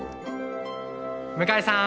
向井さん。